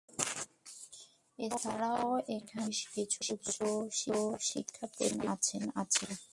এছাড়াও এখানে বেশ কিছু উচ্চশিক্ষা প্রতিষ্ঠান আছে।